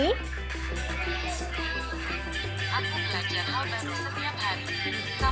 aku belajar hal baru setiap hari